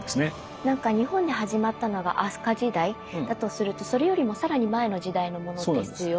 なんか日本で始まったのが飛鳥時代だとするとそれよりも更に前の時代のものですよね。